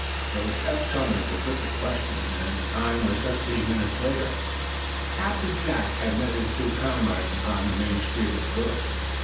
It was Eph Somers who put the question, and the time was some fifteen minutes later. Captain Jack had met his two comrades up on the main street of the village.